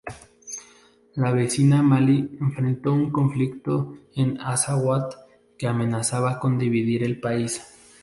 La vecina Mali enfrentó un conflicto en Azawad que amenazaba con dividir el país.